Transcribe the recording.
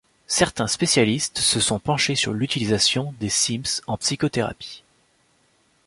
Certains spécialistes se sont penchés sur l'utilisation des Sims en psychothérapie.